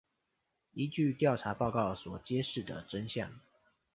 依據調查報告所揭示的真相